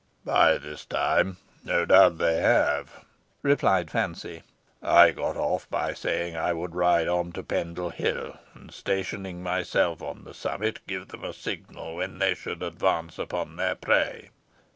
"By this time, no doubt they have," replied Fancy. "I got off by saying I would ride on to Pendle Hill, and, stationing myself on its summit, give them a signal when they should advance upon their prey.